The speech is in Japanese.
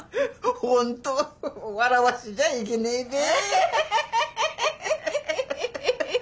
本当笑わせちゃいけねえべ。